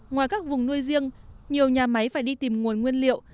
ngoài các vùng nuôi riêng nhiều nhà máy phải đi tìm nguồn nguyên liệu